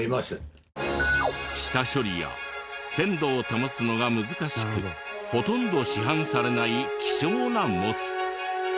下処理や鮮度を保つのが難しくほとんど市販されない希少なモツ。